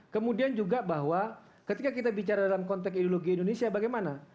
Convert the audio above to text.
kemudian juga bahwa ketika kita bicara dalam konteks ideologi indonesia bagaimana